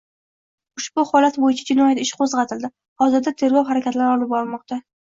Ushbu holat bo‘yicha jinoyat ishi qo‘zg‘atildi. Hozirda tergov harakatlari olib borilmoqda